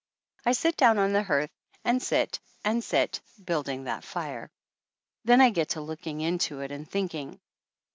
I sit down on the hearth and sit and sit, building that fire. Then I get to looking into it and thinking.